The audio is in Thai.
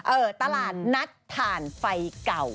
เออตลาดนัดทานไฟเก่า